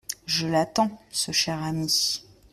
Je l’attends… ce cher ami…